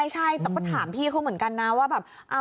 ใช่แต่ก็ถามพี่เขาเหมือนกันนะว่าแบบ